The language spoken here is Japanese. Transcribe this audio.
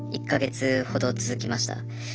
１か月ほど続きました。